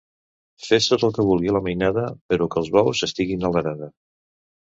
Fes tot el que vulgui la mainada, però que els bous estiguin a l'arada.